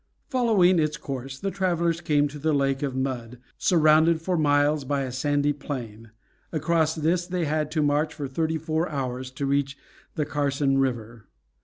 Following its course the travelers came to a lake of mud, surrounded for miles by a sandy plain. Across this they had to march for thirty four hours to reach the Carson River.